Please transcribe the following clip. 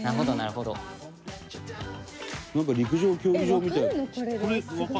「なんか陸上競技場みたい」「わかるの？